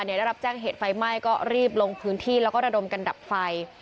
ได้รับแจ้งเหตุไฟไหม้ก็รีบลงพื้นที่แล้วก็ระดมกันดับไฟ